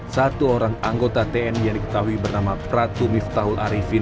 satu orang anggota tni yang diketahui bernama pratu miftahul arifin